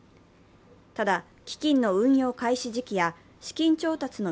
ただ、基金の運用開始時期や資金調達の